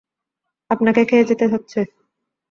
আপনাকে খেয়ে যেতে হচ্ছে।